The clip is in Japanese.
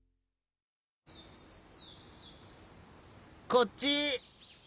こっち！